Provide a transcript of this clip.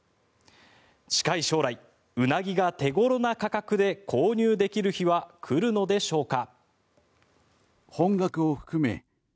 近い将来、ウナギが手頃な価格で購入できる日は来るのでしょうか。